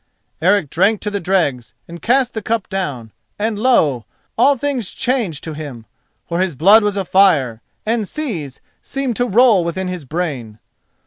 Eric drank to the dregs and cast the cup down, and lo! all things changed to him, for his blood was afire, and seas seemed to roll within his brain.